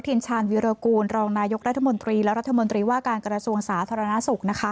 วิชานวิรากูลรองนายกรรภมนตรีและรัฐมนตรีว่าการกรสวงศาสนธรรณศุกร์นะคะ